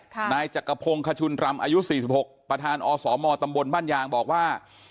ค่ะนายจักรพงคชุนตรำอายุสี่สิบหกประธานอสมตำบลบ้านยางบอกว่า